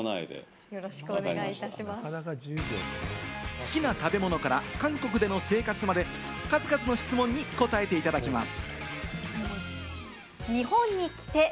好きな食べ物から韓国での生活まで数々の質問に答えていただきます。